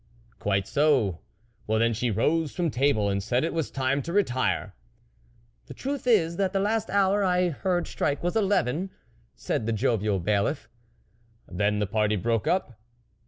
" Quite so ! Well then she rose from table, and said it was time to retire." "The truth is, that the last hour I heard strike was eleven," said the jovial Bailiff. " Then the party broke up."